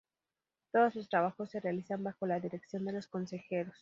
Todos los trabajos se realizan bajo la dirección de los Consejeros.